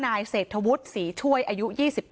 นายเศรษฐวุฒิศรีช่วยอายุ๒๘